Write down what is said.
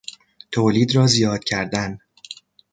تولید را زیاد کردن